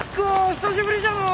久しぶりじゃのう。